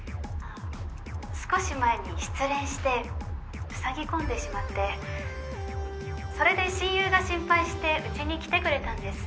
少し前に失恋して塞ぎ込んでしまってそれで親友が心配してうちに来てくれたんです。